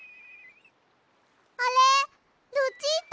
あれルチータ！